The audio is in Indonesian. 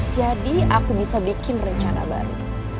jadi aku bisa bikin rencana baru